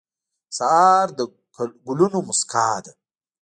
سهار د ګلونو موسکا ده.